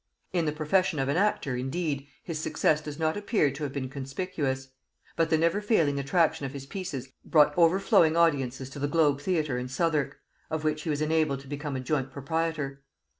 In the profession of an actor, indeed, his success does not appear to have been conspicuous; but the never failing attraction of his pieces brought overflowing audiences to the Globe theatre in Southwark, of which he was enabled to become a joint proprietor.